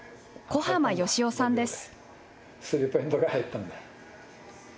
小浜吉夫さんです。